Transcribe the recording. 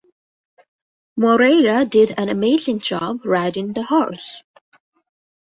Moreira did an amazing job riding the horse.